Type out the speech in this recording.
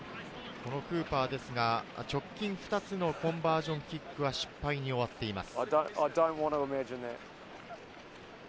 このクーパーですが、直近２つのコンバージョンキックは失敗に終わっています。